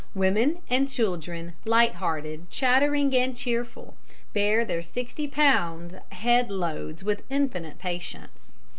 "Women and children, light hearted, chattering and cheerful, bear their 60 lbs. head loads with infinite patience.